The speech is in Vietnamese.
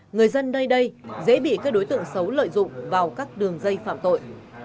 người dân nơi đây dễ bị các đối tượng xấu lợi dụng vào các đường dây phạm tội